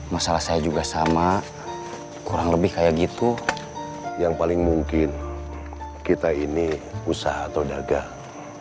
masalah saya juga sama kurang lebih kayak gitu yang paling mungkin kita ini usaha atau dagang